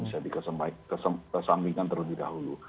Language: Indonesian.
bisa dikesampingkan terlebih dahulu